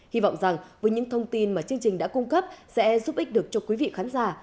hy vọng rằng với những thông tin mà chương trình đã cung cấp sẽ giúp ích được cho quý vị khán giả